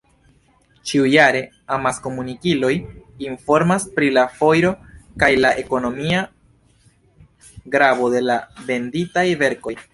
Ĉiujare amaskomunikiloj informas pri la foiro kaj la ekonomia gravo de la venditaj verkoj.